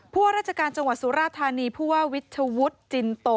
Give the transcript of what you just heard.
พวกราชการจังหวัดสุราธารณีพวกวิทยาวุทธ์จินโต